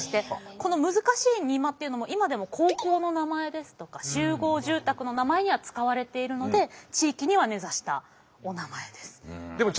この難しい邇摩っていうのも今でも高校の名前ですとか集合住宅の名前には使われているので地域には根ざしたおなまえです。